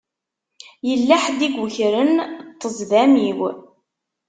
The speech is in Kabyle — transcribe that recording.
Yella ḥedd i yukren ṭṭezḍam-iw.